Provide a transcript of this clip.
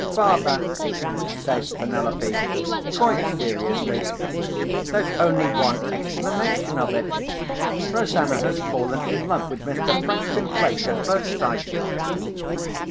"Father!" says Penelope, quite seriously, "there's only one explanation of it. Rosanna has fallen in love with Mr. Franklin Blake at first sight!"